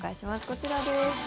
こちらです。